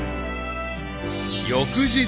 ［翌日］